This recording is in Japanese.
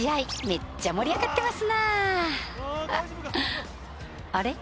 めっちゃ盛り上がってますなーあれ？